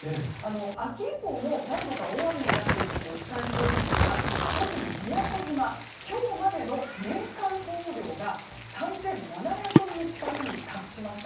秋以降も何度か大雨になっていることをお伝えしていますが特に宮古島今日までの年間総雨量が３７００ミリ近くに達しました。